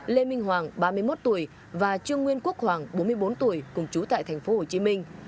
lê minh hoàng ba mươi một tuổi và trương nguyên quốc hoàng bốn mươi bốn tuổi cùng chú tại thành phố hồ chí minh